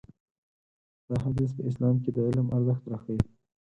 دا حديث په اسلام کې د علم ارزښت راښيي.